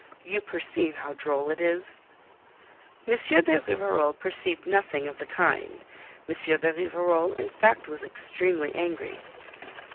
You perceive how droll it is." M. de Rivarol perceived nothing of the kind. M. de Rivarol in fact was extremely angry.